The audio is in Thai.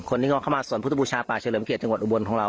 คนนึงเข้ามาสวรรค์พุทธบูชาปาศหลายเหรอระเวียสจังหวัดอุบรสของเรา